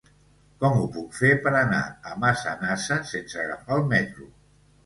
Com ho puc fer per anar a Massanassa sense agafar el metro?